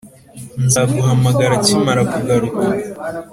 nzaguhamagara akimara kugaruka.